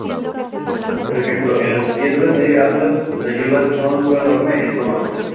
Por ejemplo en las piedras de Atlas, se ayuda con su enorme estómago.